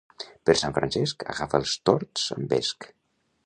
Per Sant Francesc, agafa els tords amb vesc.